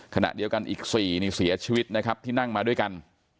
ขณะเดียวกันอีก๔นี่เสียชีวิตนะครับที่นั่งมาด้วยกัน